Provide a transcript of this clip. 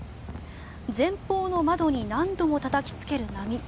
前方の窓に何度もたたきつける波。